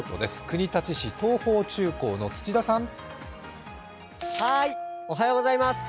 国立市桐朋中高の土田さん。